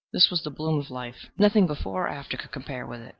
This was the bloom of life nothing before or after could compare with it.